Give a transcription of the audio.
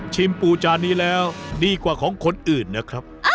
ปูจานนี้แล้วดีกว่าของคนอื่นนะครับ